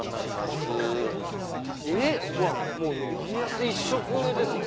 もう家康一色ですね。